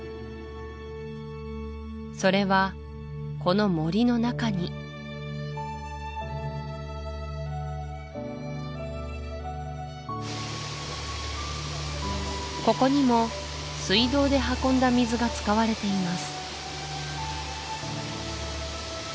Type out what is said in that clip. それはこの森の中にここにも水道で運んだ水が使われています